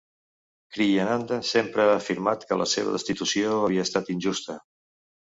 Kriyananda sempre ha afirmat que la seva destitució havia estat injusta.